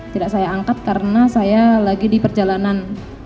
tidak saya angkat karena saya lagi di perjalanan